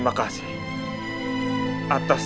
mas makasih satu ratus sembilan juga